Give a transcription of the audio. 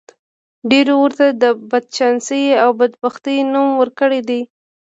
ډېرو ورته د بدچانسۍ او بدبختۍ نوم ورکړی دی